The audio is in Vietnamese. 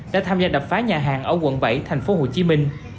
đã tham gia đập phá nhà hàng ở quận bảy tp hcm